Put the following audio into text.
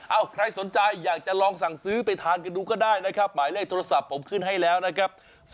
ใครสนใจอยากจะลองสั่งซื้อไปทานกันดูก็ได้นะครับหมายเลขโทรศัพท์ผมขึ้นให้แล้วนะครับ